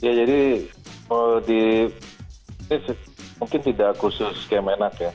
ya jadi mungkin tidak khusus kemenak ya